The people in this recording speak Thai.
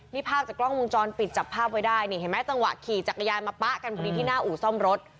นี่ภาพจากกล้องวงจรปิดจับภาพไว้ได้นี่เห็นไหมจังหวะขี่จักรยานมาป๊ะกันพอดีที่หน้าอู่ซ่อมรถ